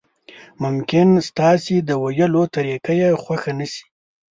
ممکن ستاسو د ویلو طریقه یې خوښه نشي.